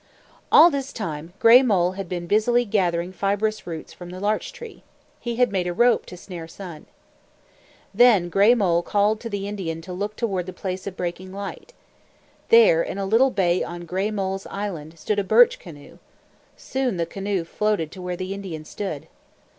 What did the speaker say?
All this time, Gray Mole had been busily gathering fibrous roots from the larch tree. He had made a rope to snare Sun. Then Gray Mole called to the Indian to look toward the Place of Breaking Light. There, in a little bay on Gray Mole's island, stood a birch canoe. Soon the canoe floated to where the Indian stood.